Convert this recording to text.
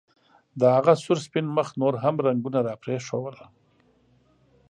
د هغه سور سپین مخ نور هم رنګونه راپرېښودل